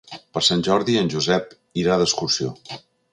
Per Sant Jordi en Josep irà d'excursió.